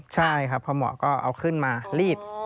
ใช่ครับพอหมอก็เอาขึ้นมารีด